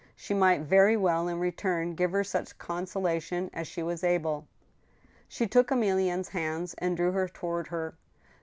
She might very well in return give her such consolation as she was able. She took Emilienne's hands and drew her toward her.